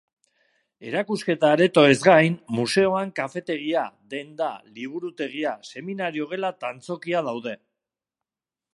Erakusketa-aretoez gain, museoan kafetegia, denda, liburutegia, seminario-gela eta antzokia daude.